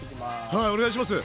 はいお願いします。